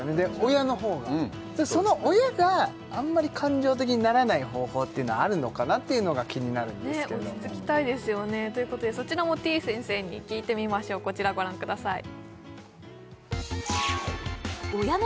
親のほうがその親があんまり感情的にならない方法ってあるのかなっていうのが気になるんですけれども落ち着きたいですよねということでそちらもてぃ先生に聞いてみましょうこちらご覧ください